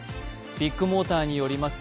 ビッグモーターによります